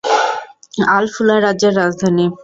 Al-Fulah রাজ্যের রাজধানী।